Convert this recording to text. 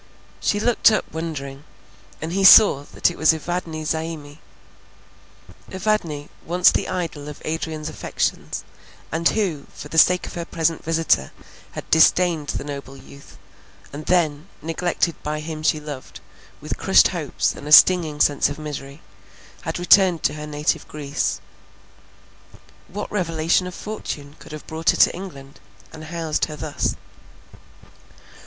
She looked up wondering, and he saw that it was Evadne Zaimi. Evadne, once the idol of Adrian's affections; and who, for the sake of her present visitor, had disdained the noble youth, and then, neglected by him she loved, with crushed hopes and a stinging sense of misery, had returned to her native Greece. What revolution of fortune could have brought her to England, and housed her thus?